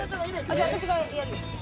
じゃあ私がやるよ